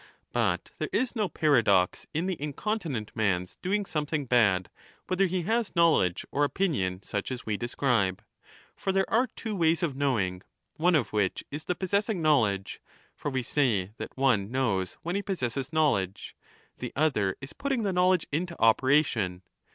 But there is no paradox in the incontinent man's doing 10 something bad, whether he has knowledge or opinion such as we describe. For there are two ways of knowing, one of which is the possessing knowledge (for we say that one knows when he possesses knowledge), the other is putting the knowledge into operation.